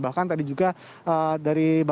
bahkan tadi juga dari barat kepala